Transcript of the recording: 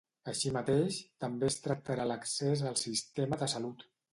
Així mateix, també es tractarà l'accés al sistema de salut.